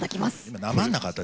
今なまんなかった？